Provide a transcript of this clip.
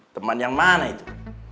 temen yang mana itu